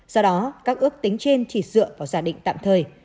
do đó các ước tính trên chỉ dựa vào giả định tạm thời